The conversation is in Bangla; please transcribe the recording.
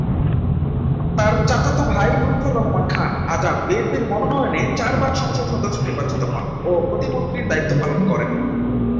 তার চাচাত ভাই লুৎফর রহমান খান আজাদ বিএনপির মনোনয়নে চারবার সংসদ সদস্য নির্বাচিত হন ও প্রতিমন্ত্রীর দায়িত্ব পালন করেন।